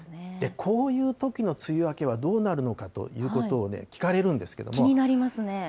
こういうときの梅雨明けはどうなるのかということを聞かれる気になりますね。